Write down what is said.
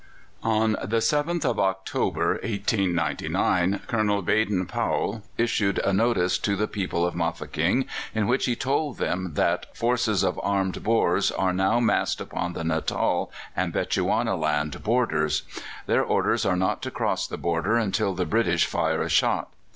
On the 7th of October, 1899, Colonel Baden Powell issued a notice to the people of Mafeking, in which he told them that "forces of armed Boers are now massed upon the Natal and Bechuanaland borders. Their orders are not to cross the border until the British fire a shot.